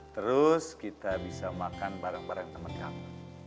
terus kita bisa makan bareng bareng temen kamu